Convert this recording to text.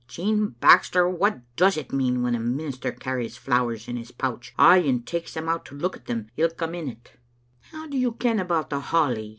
" Jean Baxter, what does it mean when a minister carries flowers in his pouch; ay, and takes them out to look at them ilka minute?" " How do you ken about the holly?"